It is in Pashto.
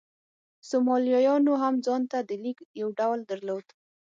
سومالیایانو هم ځان ته د لیک یو ډول درلود.